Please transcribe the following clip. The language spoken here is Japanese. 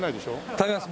食べます。